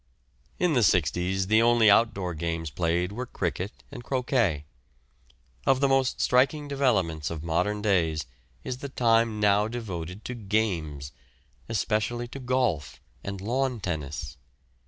In the 'sixties the only out door games played were cricket and croquet. One of the most striking developments of modern days is the time now devoted to games, especially to golf and lawn tennis.